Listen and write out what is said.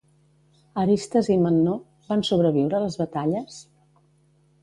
Aristes i Memnó van sobreviure a les batalles?